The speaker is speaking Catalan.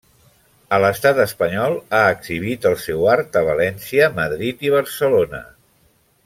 A l'estat espanyol, ha exhibit el seu art a València, Madrid i Barcelona.